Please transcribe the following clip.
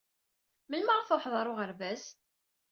Melmi ara tṛuḥeḍ ɣer uɣerbaz?